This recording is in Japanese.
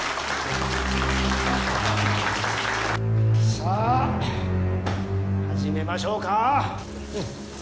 さあ始めましょうか。